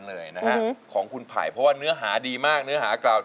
เพลงที่เจ็ดเพลงที่แปดแล้วมันจะบีบหัวใจมากกว่านี้